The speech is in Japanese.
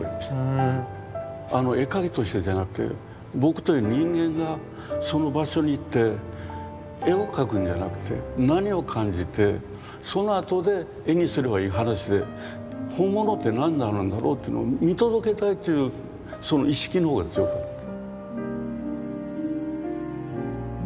絵描きとしてじゃなくて僕という人間がその場所に行って絵を描くんじゃなくて何を感じてそのあとで絵にすればいい話で本物って何なんだろうというのを見届けたいというその意識の方が強かった。